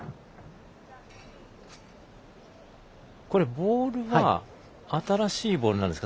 これ、ボールは新しいボールなんですか？